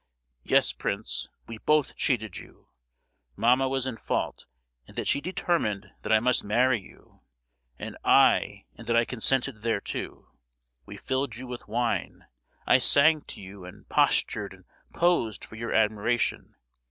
"Yes, prince, we both cheated you. Mamma was in fault in that she determined that I must marry you; and I in that I consented thereto. We filled you with wine; I sang to you and postured and posed for your admiration.